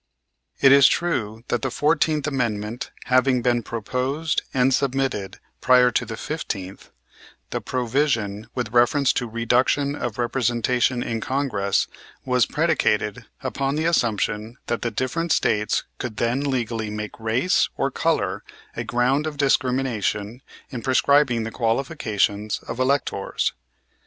"It is true that the Fourteenth Amendment having been proposed and submitted prior to the Fifteenth, the provision with reference to reduction of representation in Congress was predicated upon the assumption that the different States could then legally make race or color a ground of discrimination in prescribing the qualification of electors.